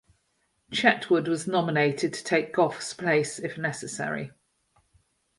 Chetwode was nominated to take Gough's place if necessary.